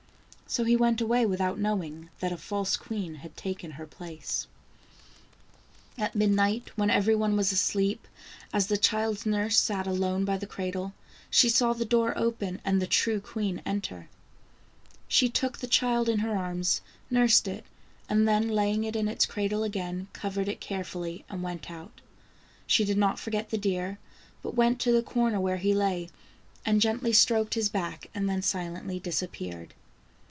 So he went away without knowing that a false queen had taken her place. 208 The enchanted fawn. THE ENCHANTED FA WN. At midnight when every one was asleep, as the child's nurse sat alone by the cradle, she saw the door open and the true queen enter. She took the child in her arms, nursed it, and then laying it in its cradle again, covered it carefully, and went out. She did not forget the deer, but went to the corner where he lay and gently stroked his back and then silently disappeared.